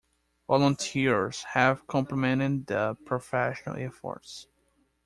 Volunteers have complemented the professional efforts.